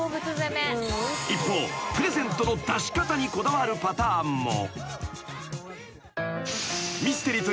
［一方プレゼントの出し方にこだわるパターンも］